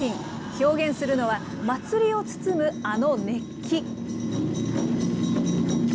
表現するのは、祭りを包むあの熱気。